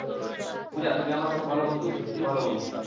পূজা, তুমি আমার কত ভালো বন্ধু, সত্যি ভাল বন্ধু।